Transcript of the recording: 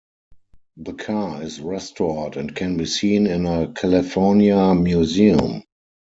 The car is restored and can be seen in a California museum.